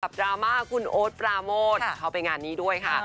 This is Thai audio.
ดราม่าคุณโอ๊ตปราโมทเขาไปงานนี้ด้วยค่ะ